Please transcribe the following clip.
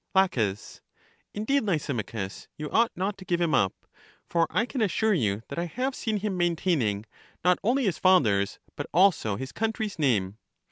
La, Indeed, Lysimachus, you ought not to give him up; for I can assure you that I have seen him maintaining, not only his father's, but also his coun try's name.